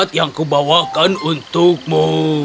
teman ku bawa buah beri ini untukmu